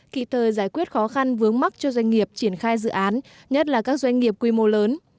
kịp thời giải quyết khó khăn vướng mắt cho doanh nghiệp triển khai dự án nhất là các doanh nghiệp quy mô lớn